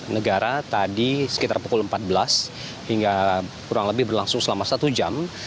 negara tadi sekitar pukul empat belas hingga kurang lebih berlangsung selama satu jam